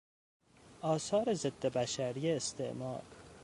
آثار ضد بشری استعمار